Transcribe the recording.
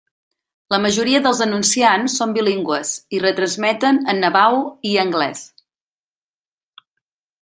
La majoria dels anunciants són bilingües i retransmeten en navaho i anglès.